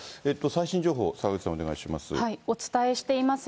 最新情報、澤口さん、お願いします。